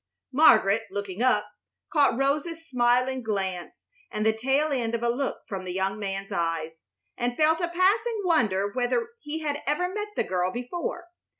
Margaret, looking up, caught Rosa's smiling glance and the tail end of a look from the young man's eyes, and felt a passing wonder whether he had ever met the girl before.